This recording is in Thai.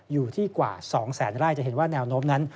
อยู่ที่กว่า๒แสนไร่จะเห็นว่าแนวโน้มนั้น